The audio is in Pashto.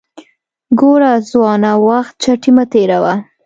ګوره ځوانه وخت چټي مه تیروه